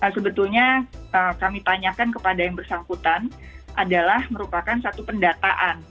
sebetulnya kami tanyakan kepada yang bersangkutan adalah merupakan satu pendataan